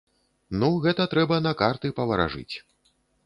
Ну, гэта трэба на карты паваражыць.